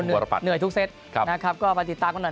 ทุกประปัตย์เหนื่อยทุกเซตครับนะครับก็มาติดตามมาหน่อย